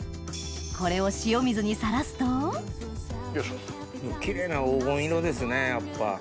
これを塩水にさらすとキレイな黄金色ですねやっぱ。